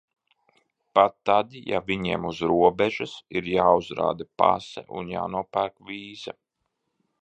Pat tad, ja viņiem uz robežas ir jāuzrāda pase un jānopērk vīza.